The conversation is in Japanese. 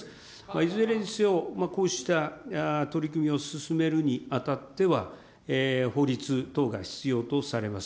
いずれにせよ、こうした取り組みを進めるにあたっては、法律等が必要とされます。